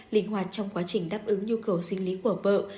linh hoạt trong quá trình đáp ứng nhu cầu sinh lý của vợ